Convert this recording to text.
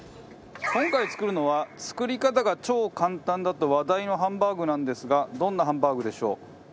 今回作るのは作り方が超簡単だと話題のハンバーグなんですがどんなハンバーグでしょう？